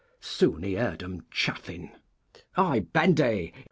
Soon he heard them chaflin'; "Hi, Bendy!